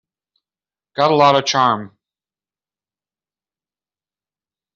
Got a lot of charm.